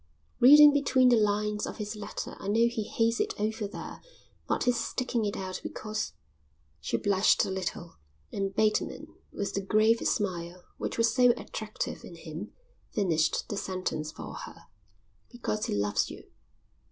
"Reading between the lines of his letter I know he hates it over there, but he's sticking it out because...." She blushed a little and Bateman, with the grave smile which was so attractive in him, finished the sentence for her. "Because he loves you."